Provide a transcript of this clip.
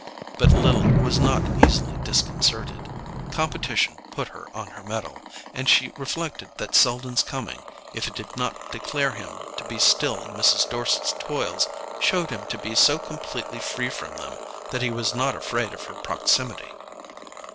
But Lily was not easily disconcerted; competition put her on her mettle, and she reflected that Selden's coming, if it did not declare him to be still in Mrs. Dorset's toils, showed him to be so completely free from them that he was not afraid of her proximity.